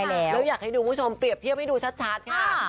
แล้วอยากให้ดูคุณผู้ชมเปรียบเทียบให้ดูชัดค่ะ